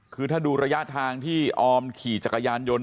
คือถ้าดูระยะทางที่ออมขี่จักรยานยนต์